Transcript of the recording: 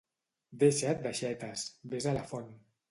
Deixa't d'aixetes, ves a la font.